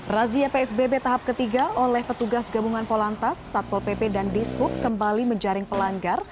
razia psbb tahap ketiga oleh petugas gabungan polantas satpol pp dan dishub kembali menjaring pelanggar